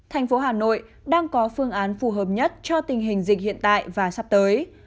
thành phố hà nội đang có phương án phù hợp nhất cho tình hình dịch hiện tại và sắp tới